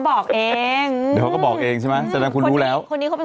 บอกเองเดี๋ยวเขาก็บอกเองใช่ไหมแสดงคุณรู้แล้วคนนี้เขาเป็น